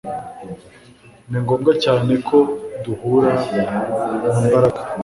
Ni ngombwa cyane ko duhura na Mbaraga